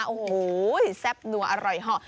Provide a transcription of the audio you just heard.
โอ้โหแซ่บนัวอร่อยเหาะ